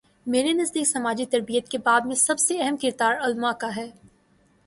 میرے نزدیک سماجی تربیت کے باب میں بھی سب سے اہم کردار علما کا ہے۔